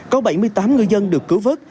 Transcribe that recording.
có bảy mươi tám người dân được cứu vớt